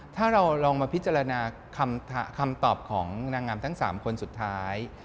ถ้าเราลองมาพิจารณาคำตอบของนางงามทั้ง๓คนสุดท้าย